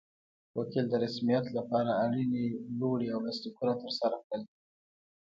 وکیل د رسمیت لپاره اړینې لوړې او لاسلیکونه ترسره کړل.